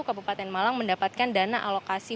kabupaten malang mendapatkan dana alokasi